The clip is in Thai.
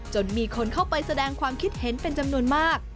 จนมีคนเข้าไปแสดงความคิดเห็นเป็นจำนวนมาก